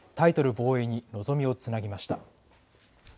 防衛に望みをつなぎました。